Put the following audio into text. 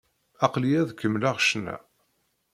Aql-iyi ad kemmleɣ ccna.